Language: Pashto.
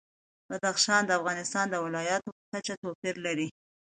بدخشان د افغانستان د ولایاتو په کچه توپیر لري.